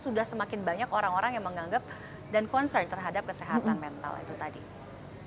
jadi sudah semakin banyak orang orang yang menganggap dan concern terhadap kesehatan mental itu tadi